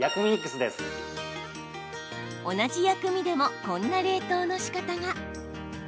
同じ薬味でもこんな冷凍のしかたが。